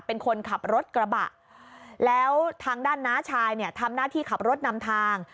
เป็นคนขับรถกระบะแล้วทางด้านน้าชายเนี่ยทำหน้าที่ขับรถนำทาง